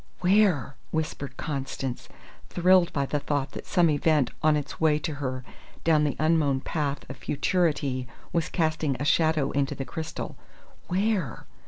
"Where?" whispered Constance, thrilled by the thought that some event on its way to her down the unknown path of futurity was casting a shadow into the crystal. "Where?"